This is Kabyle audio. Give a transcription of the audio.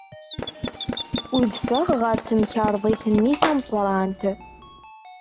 Udfeɣ ɣer temkarḍit-nni tameqrant.